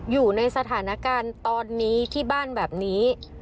อยู่ในสถานการณ์ตอนนี้ที่บ้านแบบนี้